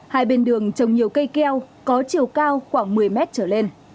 hai bên đường trồng nhiều cây keo có chiều cao khoảng một mươi mét trở lên